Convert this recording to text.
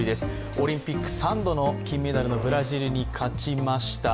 オリンピック３度の金メダルのブラジルに勝ちました。